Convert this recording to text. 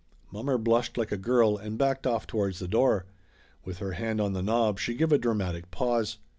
Mommer blushed like a girl and backed off towards the door. With her hand on the knob she give a dra matic pause.